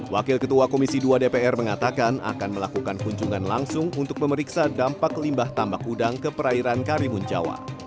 wakil ketua komisi dua dpr mengatakan akan melakukan kunjungan langsung untuk memeriksa dampak limbah tambak udang ke perairan karimun jawa